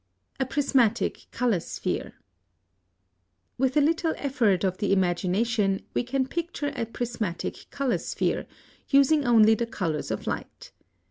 +A prismatic color sphere.+ (98) With a little effort of the imagination we can picture a prismatic color sphere, using only the colors of light.